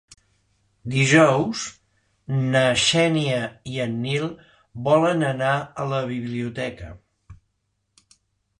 Dijous na Xènia i en Nil volen anar a la biblioteca.